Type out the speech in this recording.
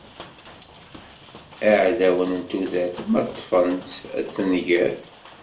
Iɛdawen n tudert, ma ṭṭfen-tt ad tenger.